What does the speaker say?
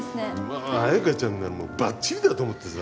まあ綾香ちゃんならバッチリだと思ってさ